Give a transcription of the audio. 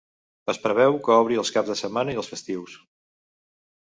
Es preveu que obri els caps de setmana i els festius.